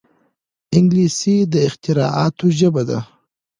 انګلیسي د اختراعاتو ژبه ده